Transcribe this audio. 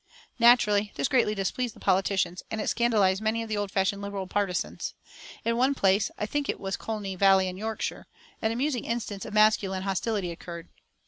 Naturally, this greatly displeased the politicians, and it scandalised many of the old fashioned Liberal partisans. In one place, I think it was Colne Valley in Yorkshire, an amusing instance of masculine hostility occurred.